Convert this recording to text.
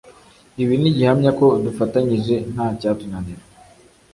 ibi ni gihamya ko dufatanyije ntacyatunanira”